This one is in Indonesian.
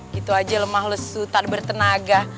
gitu aja lemah lesu tak bertenaga